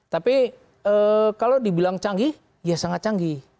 tapi kalau dibilang canggih ya sangat canggih